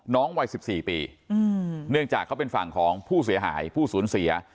วัย๑๔ปีเนื่องจากเขาเป็นฝั่งของผู้เสียหายผู้สูญเสีย